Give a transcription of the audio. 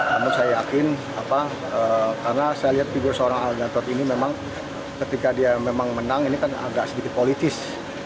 namun saya yakin karena saya lihat figur seorang al gatot ini memang ketika dia memang menang ini kan agak sedikit politis